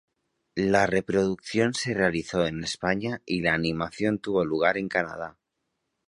La preproducción se realizó en España y la animación tuvo lugar en Canadá.